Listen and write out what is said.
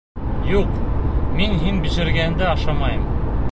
Юҡ, мин һин бешергәнде ашамайым!